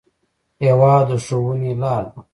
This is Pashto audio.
هېواد د ښوونې لار ده.